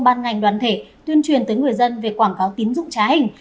ban ngành đoàn thể tuyên truyền tới người dân về quảng cáo tín dụng trá hình